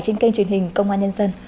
trên kênh truyền hình công an nhân dân